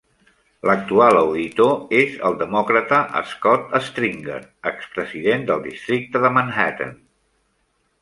L'actual auditor és el demòcrata Scott Stringer, expresident del districte de Manhattan.